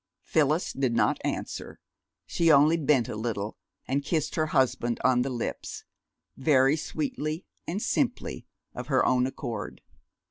Phyllis did not answer. She only bent a little, and kissed her husband on the lips, very sweetly and simply, of her own accord.